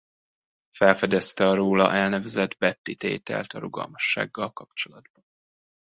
Felfedezte a róla elnevezett Betti-tételt a rugalmassággal kapcsolatban.